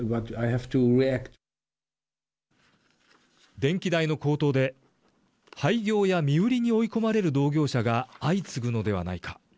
電気代の高騰で廃業や身売りに追い込まれる同業者が相次ぐのではないか。